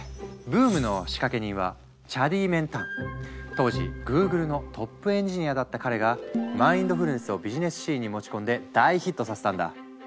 ブームの仕掛け人は当時グーグルのトップエンジニアだった彼がマインドフルネスをビジネスシーンに持ち込んで大ヒットさせたんだ。